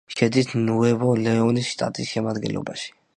შედის ნუევო-ლეონის შტატის შემადგენლობაში.